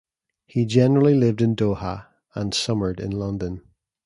He generally lived in Doha and summered in London.